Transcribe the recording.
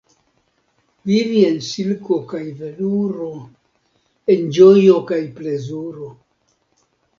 Vivi en silko kaj veluro, en ĝojo kaj plezuro.